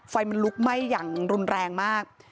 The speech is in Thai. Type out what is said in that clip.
ไฟมันลุกไหม้อย่างรุนแรงมาก